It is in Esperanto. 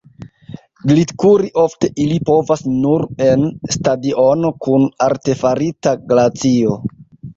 Glitkuri ofte ili povas nur en stadiono kun artefarita glacio.